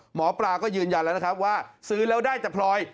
หมอปลาก็ยืนยันแล้วนะครับว่าซื้อแล้วได้แต่พลอย